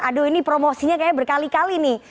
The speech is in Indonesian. aduh ini promosinya kayaknya berkali kali nih